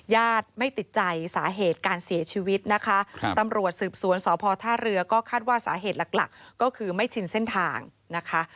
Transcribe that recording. ญาติไม่ติดใจสาเหตุการเสียชีวิตนะคะครับตำรวจสืบสวนสพท่าเรือก็คาดว่าสาเหตุหลักหลักก็คือไม่ชินเส้นทางนะคะ